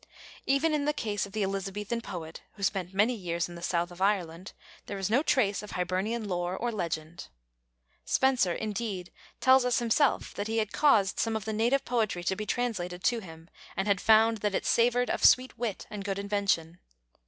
Even in the case of the Elizabethan poet who spent many years in the south of Ireland, there is no trace of Hibernian lore or legend. Spenser, indeed, tells us himself that he had caused some of the native poetry to be translated to him, and had found that it "savoured of sweet wit and good invention."